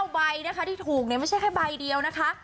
ใบนะคะที่ถูกเนี่ยไม่ใช่แค่ใบเดียวนะคะ